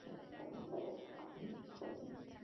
林肯是一个位于美国阿肯色州华盛顿县的城市。